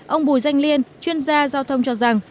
ông bùi danh liên chuyên gia giao thông cho rằng